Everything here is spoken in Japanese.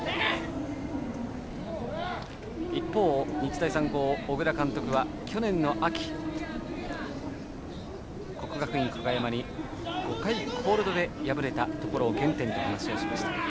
一方、日大三高の小倉監督は去年の秋、国学院久我山に５回コールドで敗れたところを原点だと話しました。